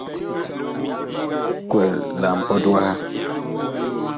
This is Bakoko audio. Biig kwɛl la mpɔt waha.